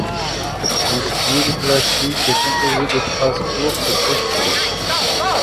Son style, classique, est composé de phrases courtes et précises.